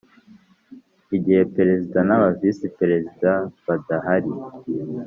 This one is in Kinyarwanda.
Igihe perezida na ba visi perezida badahari